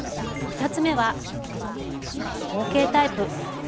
２つ目は後傾タイプ。